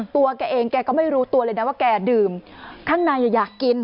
ตัวแกเองแกก็ไม่รู้ตัวเลยนะว่าแกดื่มข้างในอยากกิน